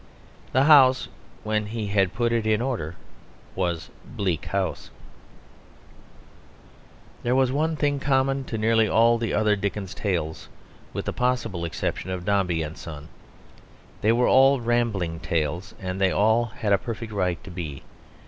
The house, when he had put it in order, was Bleak House. There was one thing common to nearly all the other Dickens tales, with the possible exception of Dombey and Son. They were all rambling tales; and they all had a perfect right to be.